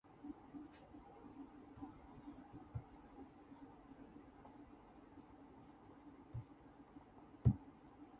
銀河英雄伝説